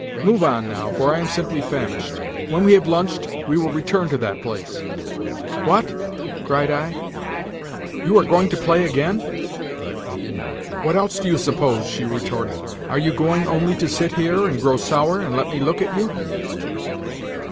"Move on now, for I am simply famished. When we have lunched we will return to that place." "What?" cried I. "You are going to play again?" "What else do you suppose?" she retorted. "Are you going only to sit here, and grow sour, and let me look at you?"